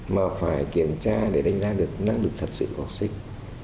mà phải kiểm tra để đánh giá được năng lực thật sự của học sinh